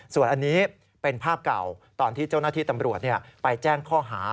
ส่วนอันนี้เป็นภาพเก่าตอนที่เจ้าหน้าที่ตำรวจไปแจ้งข้อหา